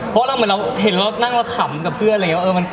เพราะเราเห็นนั่งนั่งเค้าขำกับเพื่อน